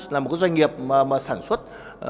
là một cái doanh nghiệp mà sản xuất